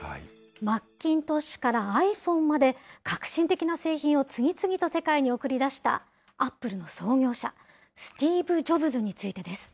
マッキントッシュからｉＰｈｏｎｅまで、革新的な製品を次々と世界に送り出したアップルの創業者、スティーブ・ジョブズについてです。